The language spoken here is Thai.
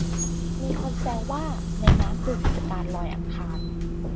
มีคนแซวว่า ในน้ำคือกิจการลอยอังคาร